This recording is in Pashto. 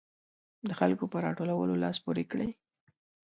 د خلکو په راټولولو لاس پورې کړي.